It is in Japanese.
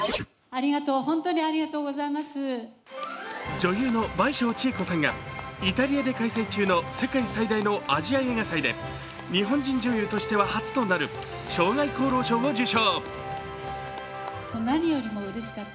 女優の倍賞千恵子さんがイタリアで開催中の世界最大のアジア映画祭で日本人女優としては初となる生涯功労賞を受賞。